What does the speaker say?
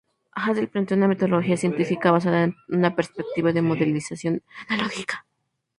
Hesse planteó una metodología científica basada en una perspectiva de modelización analógica.